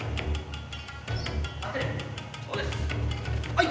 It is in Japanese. はい。